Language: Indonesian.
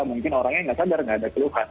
mungkin orangnya nggak sadar nggak ada keluhan